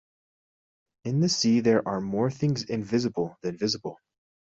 In the sea there are more things invisible than visible!